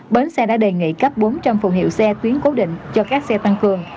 bến xe đã đề nghị cấp bốn trăm linh phù hiệu xe tuyến cố định cho các xe tăng cường